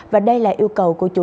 và đây là yêu cầu của chủ tịch nước